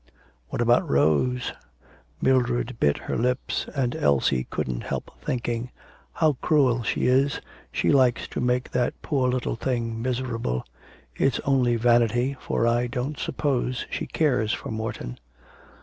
'What about Rose?' Mildred bit her lips, and Elsie couldn't help thinking, 'How cruel she is, she likes to make that poor little thing miserable. It's only vanity, for I don't suppose she cares for Morton.'